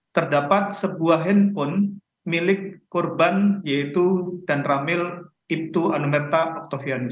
terdapat sebuah handphone milik korban yaitu dan ramil ibtu anumerta oktoviani